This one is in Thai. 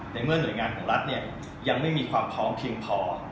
ในเมื่อหน่วยงานของรัฐยังไม่มีความพร้อมเพียงพอ